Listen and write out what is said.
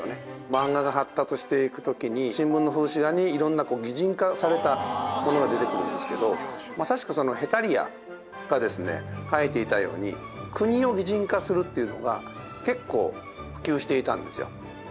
漫画が発達していく時に新聞の風刺画に色んな擬人化されたものが出てくるんですけどまさしく『ヘタリア』がですね描いていたように国を擬人化するっていうのが結構普及していたんですよ。